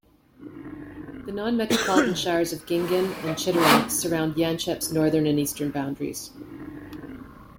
The non-metropolitan Shires of Gingin and Chittering surround Yanchep's northern and eastern boundaries.